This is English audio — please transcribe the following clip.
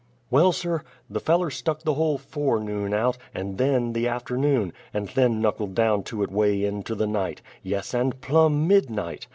Well sir, the feller stuck the whole forenoon out, and then the afternoon; and then knuckled down to it 'way into the night yes, and plum midnight!